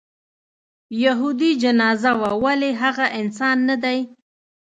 یهودي جنازه وه ولې هغه انسان نه دی.